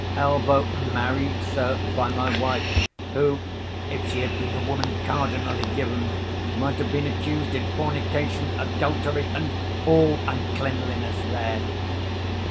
75 Elb. Marry, sir, by my wife; who, if she had been a woman cardinally given, might have been accused in fornication, adultery, and all uncleanliness there.